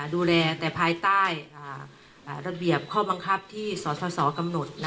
ดูแลแต่ภายใต้ระเบียบข้อบังคับที่สสกำหนด